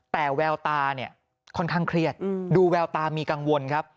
และแววตาค่อนข้างเครียดดูแววตามีกังวล